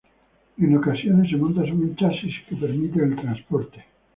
En ocasiones, se monta sobre un chasis que permite el transporte.